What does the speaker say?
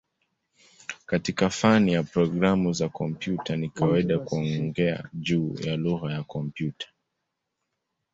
Katika fani ya programu za kompyuta ni kawaida kuongea juu ya "lugha ya kompyuta".